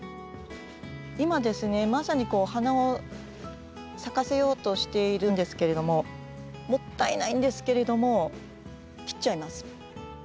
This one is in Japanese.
今まさに花を咲かせようとしているんですけれどももったいないんですけれども切っちゃいます。